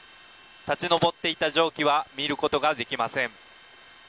立ち上っていた蒸気は見ることができません。